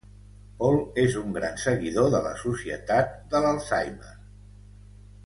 Paul és un gran seguidor de la Societat de l'Alzheimer.